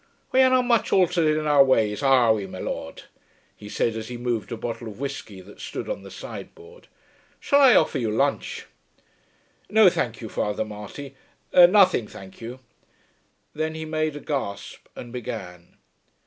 "We are not much altered in our ways, are we, my Lord?" he said as he moved a bottle of whiskey that stood on the sideboard. "Shall I offer you lunch?" "No, thank you, Father Marty; nothing, thank you." Then he made a gasp and began.